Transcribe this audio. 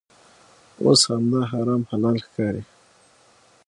اوس همدا حرام حلال ښکاري.